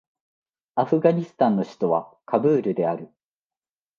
アフガニスタンの首都はカブールである